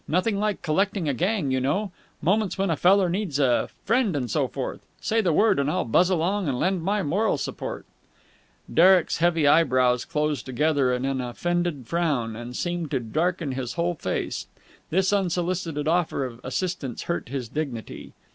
Nothing like collecting a gang, you know. Moments when a feller needs a friend and so forth. Say the word, and I'll buzz along and lend my moral support." Derek's heavy eyebrows closed together in an offended frown, and seemed to darken his whole face. This unsolicited offer of assistance hurt his dignity.